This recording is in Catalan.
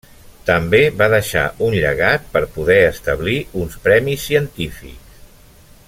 També va deixar un llegat per poder establir uns premis científics.